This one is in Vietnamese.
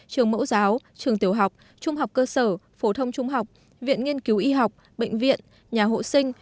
trường mẫu giáo trường tiểu học trung học cơ sở phổ thông trung học viện nghiên cứu y học bệnh viện nhà hộ sinh